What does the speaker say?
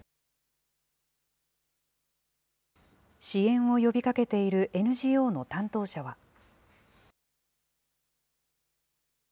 支援を呼びかけているＮＧＯの担当者は。